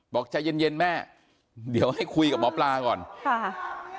บอกใจเย็นเย็นแม่เดี๋ยวให้คุยกับหมอปลาก่อนค่ะ